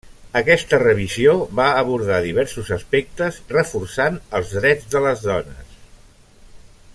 Aquesta revisió va abordar diversos aspectes reforçant els drets de les dones.